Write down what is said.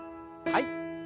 はい。